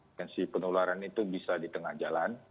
potensi penularan itu bisa di tengah jalan